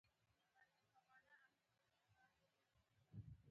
وروسته یې د رپېدې په واسطه د تنور په دېوال ورتپي.